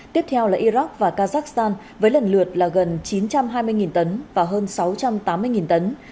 tiếp theo là iraq và kazakhstan với lần lượt là gần chín trăm hai mươi tấn và hơn sáu trăm tám mươi tấn